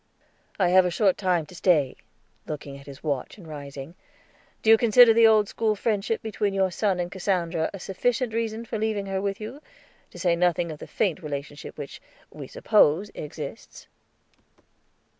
"I have a short time to stay," looking at his watch and rising. "Do you consider the old school friendship between your son and Cassandra a sufficient reason for leaving her with you? To say nothing of the faint relationship which, we suppose, exists."